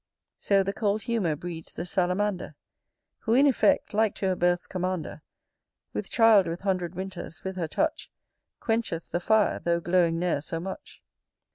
So, the cold humour breeds the Salamander, Who, in effect, like to her birth's commander, With child with hundred winters, with her touch Quencheth the fire, tho'glowing ne'er so much.